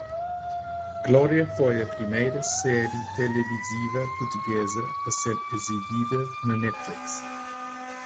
"Glória" foi a primeira série televisiva portuguesa a ser exibida na Netflix.